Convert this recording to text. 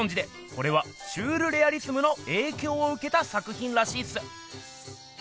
これはシュールレアリスムのえいきょうをうけた作品らしいっす。